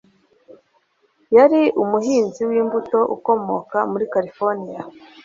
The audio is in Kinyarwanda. Yari umuhinzi wimbuto ukomoka muri Californiya.